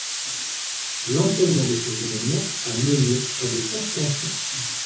L’enchaînement de ces événements a mené à de fortes tensions.